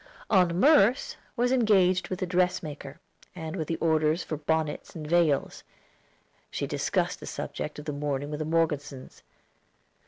Aunt Merce was engaged with a dressmaker, and with the orders for bonnets and veils. She discussed the subject of the mourning with the Morgesons.